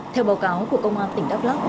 theo báo cáo của công an tỉnh đắk lắk